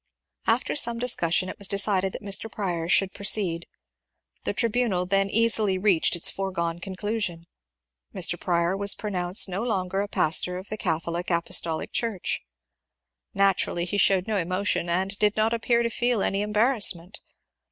After some discussion it was decided that Mr. Prior should proceed. The tribunal then easily reached its foregone conclusion : Mr. Prior was pronounced no longer a pastor of the Catholic Apostolic Church. Naturally he showed no emotion, and did not appear to feel any embarrassment.